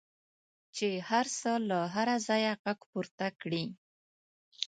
چې هر څه له هره ځایه غږ پورته کړي.